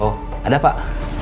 oh ada pak